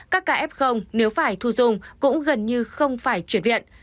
các kf nếu phải thu dùng cũng gần như không phải chuyển viện